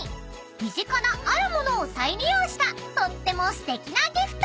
［身近なある物を再利用したとってもすてきなギフト］